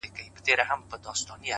عاجزي د عزت ساتونکې ده,